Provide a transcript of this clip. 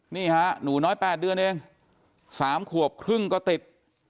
นี่ฮะหนูน้อย๘เดือนเอง๓ขวบครึ่งก็ติด